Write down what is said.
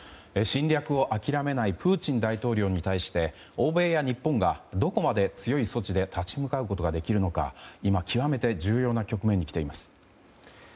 侵略を諦めないプーチン大統領に対して欧米や日本がどこまで強い措置で立ち向かうことができるのか今、極めて重要な局面に来ています。